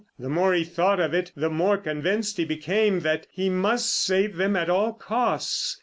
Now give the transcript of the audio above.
The more he thought of it the more convinced he became that he must save them at all costs.